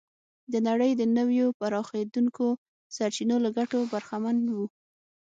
د نړۍ د نویو پراخېدونکو سرچینو له ګټو برخمن و.